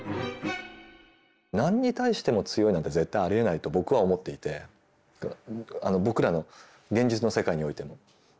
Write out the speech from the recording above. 何に対しても強いなんて絶対ありえないと僕は思っていて僕らの現実の世界においても。